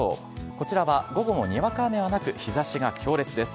こちらは午後もにわか雨はなく、日ざしが強烈です。